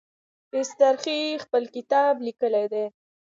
اصطخري خپل کتاب لیکلی دی.